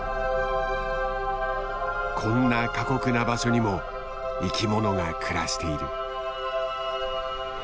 こんな過酷な場所にも生きものが暮らしている。